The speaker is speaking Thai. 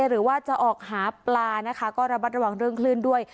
หรือว่าจะออกหาปลานะคะก็ระมัดระวังเรื่องคลื่นด้วย